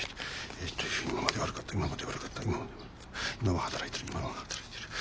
えっと「今まで悪かった今まで悪かった今は今は働いてる今は働いてる。